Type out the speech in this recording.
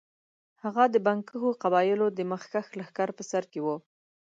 هغه د بنګښو قبایلو د مخکښ لښکر په سر کې وو.